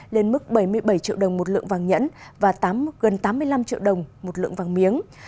lên mức bảy mươi bảy triệu đồng một lượng vàng nhẫn và gần tám mươi năm triệu đồng một lượng vàng miếng